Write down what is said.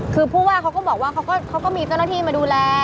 คือผู้ว่าเขาก็บอกว่าเขาก็มีเจ้าหน้าที่มาดูแล